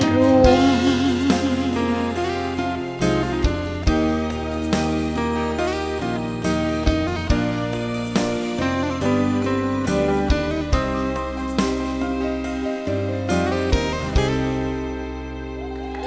ทุกคนค่ะ